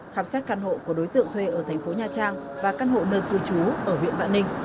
khám xét căn hộ của đối tượng thuê ở thành phố nha trang và căn hộ nơi cư trú ở huyện vạn ninh